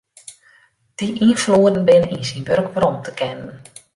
Dy ynfloeden binne yn syn wurk werom te kennen.